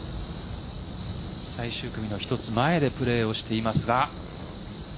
最終組の１つ前でプレーをしていますが。